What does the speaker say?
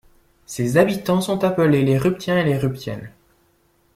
Ses habitants sont appelés les Ruptiens et les Ruptiennes.